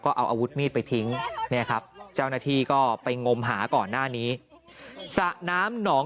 เอาอาวุธมีดไปทิ้งเนี่ยครับเจ้าหน้าที่ก็ไปงมหาก่อนหน้านี้สระน้ำหนอง